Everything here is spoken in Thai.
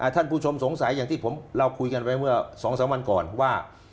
ท่านผู้ชมสงสัยอย่างที่เราคุยกันไว้เมื่อ๒๓วันก่อนว่า